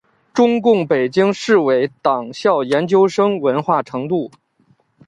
中共北京市委党校研究生文化程度。